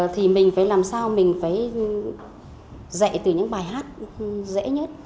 thì mình phải làm sao mình phải dạy từ những bài hát dễ nhất